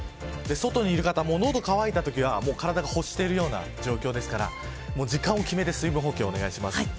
外にいる方は、喉が渇いたときは体が欲している状況ですから時間を決めて水分補給をお願いします。